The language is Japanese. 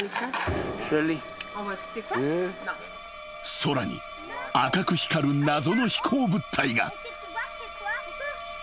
［空に赤く光る謎の飛行物体が］